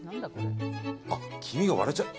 黄身が割れちゃう。